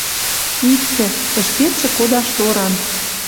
Иктӹ — ӹшкетшӹ кодаш торан